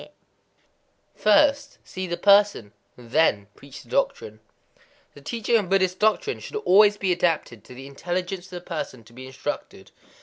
_ [First] see the person, [then] preach the doctrine. The teaching of Buddhist doctrine should always be adapted to the intelligence of the person to be instructed.